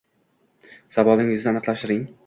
Savolingizni aniqlashtiring